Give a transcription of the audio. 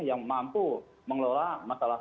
yang mampu mengelola masalah